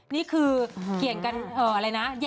นี่คือเกี่ยงกันอะไรนะ